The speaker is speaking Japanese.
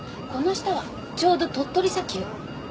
この下はちょうど鳥取砂丘。